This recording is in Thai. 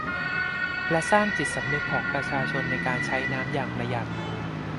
และสร้างจิตสำนึกของประชาชนในการใช้น้ำอย่างประหยัด